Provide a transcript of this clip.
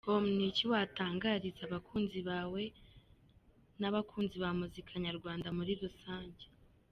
com: Ni iki watangariza abakunzi bawe n’abakunzi b’umuziki nyarwanda muri Rusange?.